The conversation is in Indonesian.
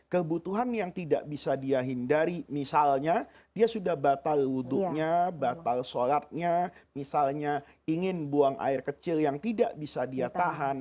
kebutuhan yang tidak bisa dia hindari misalnya dia sudah batal wudhunya batal sholatnya misalnya ingin buang air kecil yang tidak bisa dia tahan